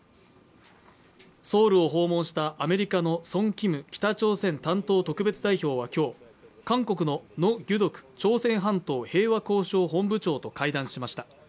ソウルを訪問したアメリカのソン・キム北朝鮮担当特別代表は今日、韓国のノ・ギュドク朝鮮半島平和交渉本部長と会談しました。